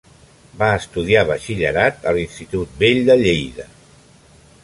Va estudiar batxillerat a l'Institut Vell de Lleida.